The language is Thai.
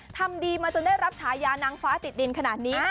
ทำดีมาจนได้รับฉายานางฟ้าติดดินขนาดนี้